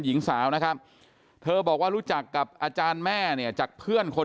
หญิงสาวนะครับเธอบอกว่ารู้จักกับอาจารย์แม่เนี่ยจากเพื่อนคน